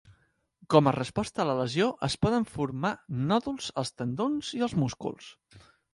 Com a resposta a la lesió es poden formar nòduls als tendons i als músculs.